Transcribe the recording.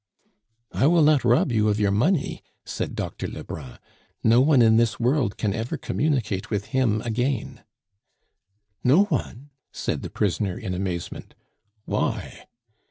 "I will not rob you of your money," said Doctor Lebrun; "no one in this world can ever communicate with him again " "No one?" said the prisoner in amazement. "Why?"